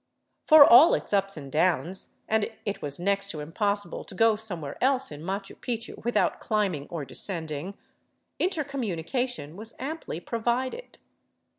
For all its ups and downs — and it was next to impossible to go fomewhere else in Machu Picchu without climbing or descending — intercommunication was amply provided.